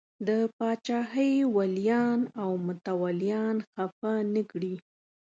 د پاچاهۍ ولیان او متولیان خفه نه کړي.